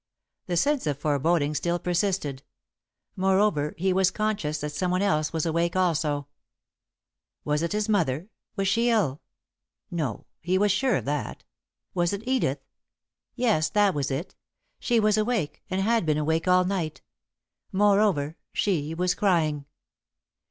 The sense of foreboding still persisted; moreover, he was conscious that someone else was awake also. [Sidenote: A Mysterious Perception] Was it his mother? Was she ill? No he was sure of that. Was it Edith? Yes, that was it. She was awake, and had been awake all night. Moreover, she was crying.